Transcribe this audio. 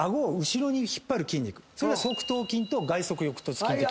それが側頭筋と外側翼突筋。